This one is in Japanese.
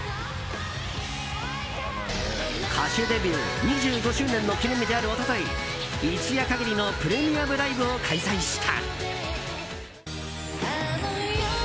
歌手デビュー２５周年の記念日である一昨日一夜限りのプレミアムライブを開催した。